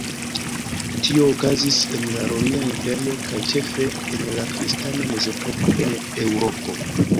Tio okazis en la Romia Imperio kaj ĉefe en la kristana Mezepoko en Eŭropo.